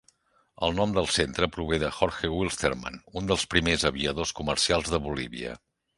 El nom del centre prové de Jorge Wilstermann, un dels primers aviadors comercials de Bolívia.